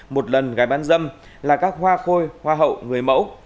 một lần gái bán dâm là các hoa khôi hoa hậu người mẫu